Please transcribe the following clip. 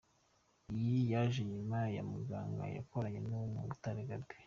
Iyi yaje nyuma ya ‘Muganga’ yakoranye na Umutare Gabby.